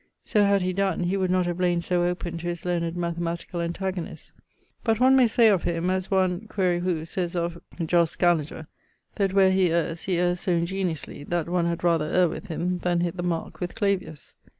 So had he donne, he would not have layn so open to his learned mathematicall antagonists. But one may say of him, as one (quaere who) sayes of Jos. Scaliger, that where he erres, he erres so ingeniosely, that one had rather erre with him then hitt the mark with Clavius.